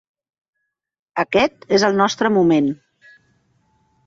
Aquest és el nostre moment.